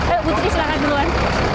eh ibu tuti silahkan duluan